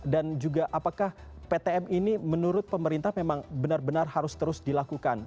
dan juga apakah ptm ini menurut pemerintah memang benar benar harus terus dilakukan